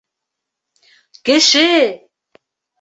Кеше!